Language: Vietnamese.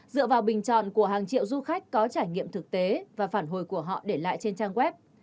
dựa vào bình chọn của hàng triệu du khách có trải nghiệm thực tế và phản hồi của họ để lại trên trang web